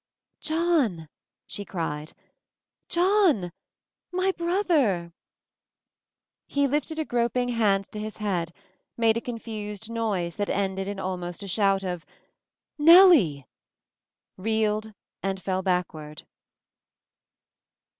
"John!" she cried. "John! My Brother P He lifted a groping hand to his head, made a confused noise that ended in almost a shout of "Nellie P reeled and fell back ward.